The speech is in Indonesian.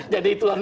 jadi itu lah